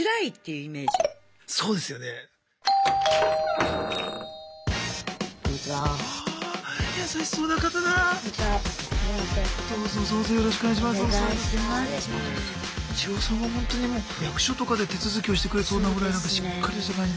イチローさんはほんとにもう役所とかで手続きをしてくれそうなぐらいしっかりした感じ。